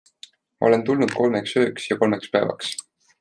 Olen tulnud kolmeks ööks ja kolmeks päevaks.